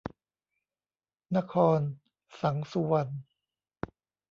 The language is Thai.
นคร สังสุวรรณ